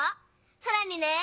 さらにね！